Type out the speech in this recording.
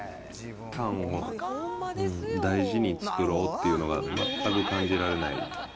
パンを大事に作ろうっていうのが、全く感じられない。